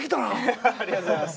ありがとうございます。